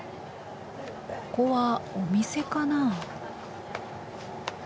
ここはお店かな。